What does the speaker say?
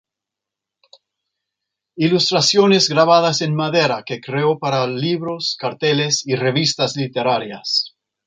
Ilustraciones grabadas en madera que creó para libros, carteles, y revistas literarias.